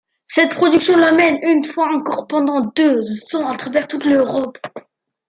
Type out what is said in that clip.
Cette production l’emmène une fois encore pendant deux ans à travers toute l’Europe.